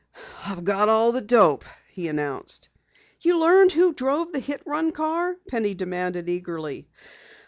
"I've got all the dope!" he announced. "You learned who drove the hit run car?" Penny demanded eagerly.